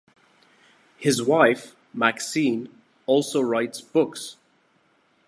His wife, Maxine, also writes books.